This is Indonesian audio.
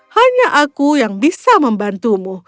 hanya aku yang bisa membantumu